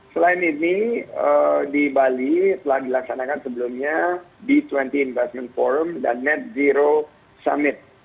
selain ini di bali telah dilaksanakan sebelumnya b dua puluh investment forum dan net zero summit